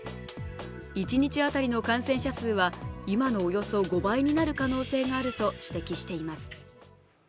一日当たりの感染者数は今のおよそ５倍になる可能性があると指摘しています。